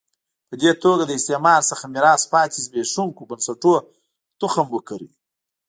په دې توګه له استعمار څخه میراث پاتې زبېښونکو بنسټونو تخم وکره.